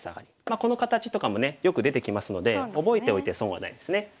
この形とかもねよく出てきますので覚えておいて損はないですね。